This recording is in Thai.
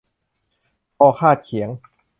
คอพาดเขียง